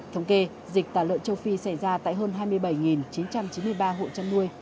thống kê dịch tả lợn châu phi xảy ra tại hơn hai mươi bảy chín trăm chín mươi ba hộ chăn nuôi